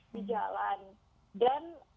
di jalan dan